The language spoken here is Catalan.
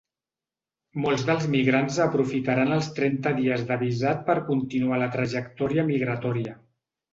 Molts dels migrants aprofitaran els trenta dies de visat per continuar la trajectòria migratòria.